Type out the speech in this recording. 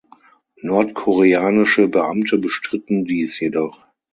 Nordkoreanische Beamte bestritten dies jedoch.